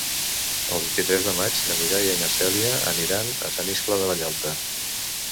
El vint-i-tres de maig na Mireia i na Cèlia aniran a Sant Iscle de Vallalta.